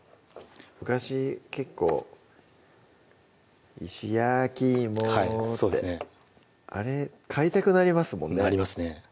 昔結構「石焼き芋」ってそうですねあれ買いたくなりますもんねなりますね